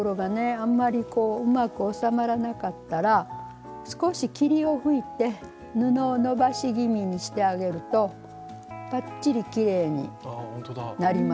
あんまりうまくおさまらなかったら少し霧を吹いて布を伸ばし気味にしてあげるとバッチリきれいになります。